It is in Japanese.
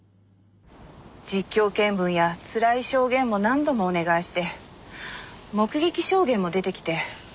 実況見分やつらい証言も何度もお願いして目撃証言も出てきて